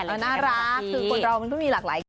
น่ารักคือคนเรามันก็มีหลากหลายคน